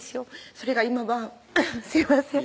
それが今はすいません